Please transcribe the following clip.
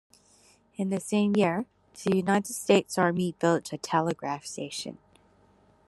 In the same year, the United States Army built a telegraph station.